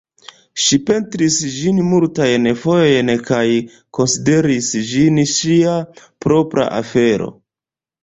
Ŝi pentris ĝin multajn fojojn kaj konsideris ĝin ŝia propra afero.